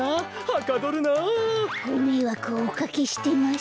ごめいわくをおかけしてます。